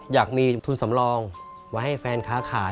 อยากมีทุนสำรองไว้ให้แฟนค้าขาย